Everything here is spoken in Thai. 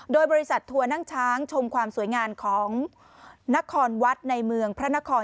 โดยบริษัททัวร์นั่งช้างชมความสวยงามของนครวัดในเมืองพระนคร